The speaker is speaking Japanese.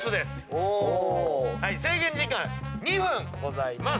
制限時間２分ございます。